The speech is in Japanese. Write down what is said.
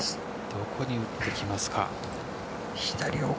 どこに打ってきますか？